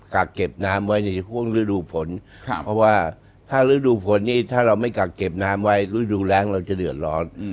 กักเก็บน้ำไว้ในห่วงฤดูฝนเพราะว่าถ้าฤดูฝนนี่ถ้าเราไม่กักเก็บน้ำไว้ฤดูแรงเราจะเดือดร้อน